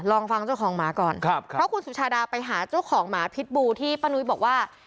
ลองฟังเจ้าของหมาก่อนครับเพราะคุณสุชาดาไปหาเจ้าของหมาพิษบูที่ป้านุ้ยบอกว่า